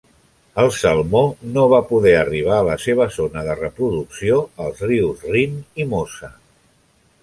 El salmó no va poder arribar a la seva zona de reproducció als rius Rin i Mosa.